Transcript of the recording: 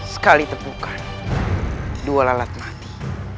sekali tepukan dua lalat mati